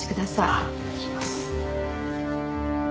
あっお願いします。